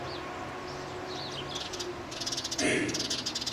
ექსპერიმენტული ნევროლოგიის სამეცნიერო–კვლევითი ცენტრის სამეცნიერო საბჭოს თავმჯდომარეა.